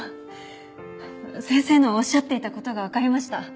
先生のおっしゃっていた事がわかりました。